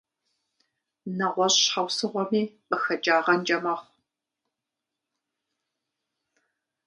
НэгъуэщӀ щхьэусыгъуэми къыхэкӀагъэнкӀэ мэхъу.